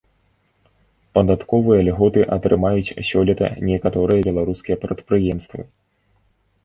Падатковыя льготы атрымаюць сёлета некаторыя беларускія прадпрыемствы.